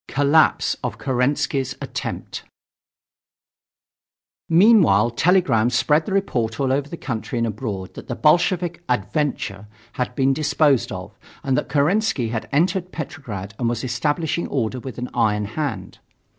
COLLAPSE OF KERENSKY'S ATTEMPT Meanwhile telegrams spread the report all over the country and abroad that the Bolshevik "adventure" had been disposed of and that Kerensky had entered Petrograd and was establishing order with an iron hand.